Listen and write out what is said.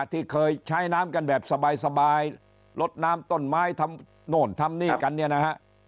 ที่เคยใช้น้ำกันแบบสบายลดน้ำต้นไม้ทำโน่นทำนี่กันเนี่ยนะฮะ